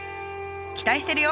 期待してるよ！